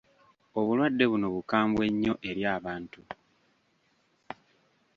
Obulwadde buno bukambwe nnyo eri abantu.